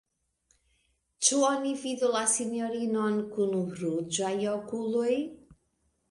Ĉu oni vidu la sinjorinon kun ruĝaj okuloj?